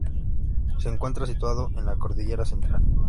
Se encuentra situado en la cordillera Central.